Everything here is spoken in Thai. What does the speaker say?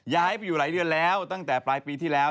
ย้ายไปอยู่หลายเดือนแล้วตั้งแต่ปลายปีที่แล้ว